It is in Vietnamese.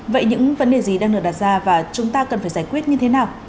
vậy những vấn đề gì đang được đặt ra và chúng ta cần phải giải quyết như thế nào